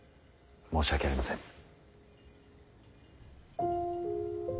申し訳ありません。